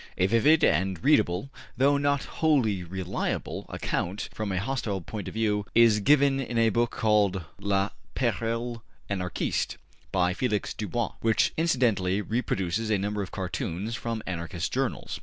A vivid and readable, though not wholly reliable, account, from a hostile point of view, is given in a book called ``Le Peril Anarchiste,'' by Felix Dubois, which incidentally reproduces a number of cartoons from anarchist journals.